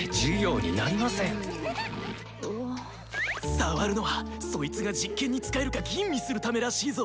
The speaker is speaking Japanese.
触るのはそいつが実験に使えるか吟味するためらしいぞ。